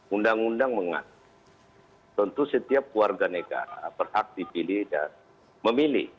undang undang mengatakan tentu setiap warga negara berhak dipilih dan memilih